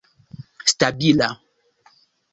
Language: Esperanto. stabila